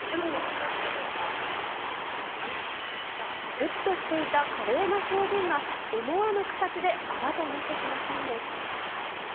武器としていた華麗な表現が、思わぬ形であだとなってしまったんです。